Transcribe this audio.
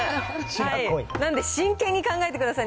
なんで、真剣に考えてください。